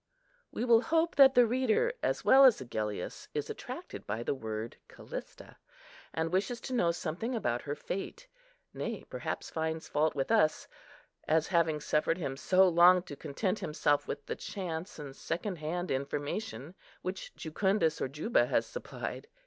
We will hope that the reader, as well as Agellius, is attracted by the word Callista, and wishes to know something about her fate; nay, perhaps finds fault with us as having suffered him so long to content himself with the chance and second hand information which Jucundus or Juba has supplied.